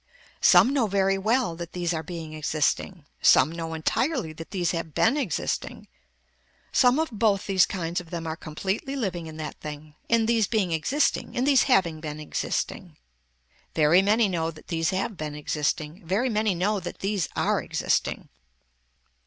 Some know very well that these are being existing, some know entirely that these have been existing. Some of both these kinds of them are completely living in that thing, in these being existing, in these having been existing. Very many know that these have been existing. Very many know that these are existing.